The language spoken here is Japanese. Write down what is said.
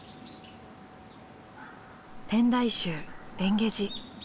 天台宗蓮華寺。